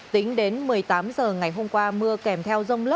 tính đến một mươi tám h ngày hôm qua mưa kèm theo rông lốc